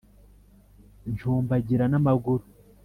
ncumbagira n'amaguru,